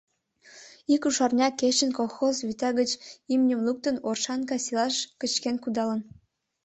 Ик рушарня кечын, колхоз вӱта гыч имньым луктын, Оршанка селаш кычкен кудалын.